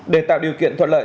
để tạo điều kiện thuận lợi